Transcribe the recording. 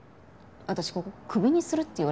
私ここクビにするって言われてんだけど？